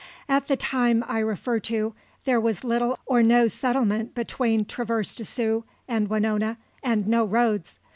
At the time I refer to there was little or no settlement between Traverse des Sioux and Winona, and no roads.